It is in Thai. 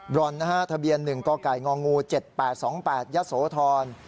รอนนะฮะทะเบียน๑กกง๗๘๒๘ยะโสธร